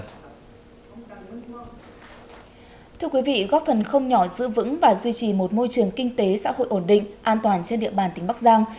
thưa quý vị góp phần không nhỏ giữ vững và duy trì một môi trường kinh tế xã hội ổn định an toàn trên địa bàn tỉnh bắc giang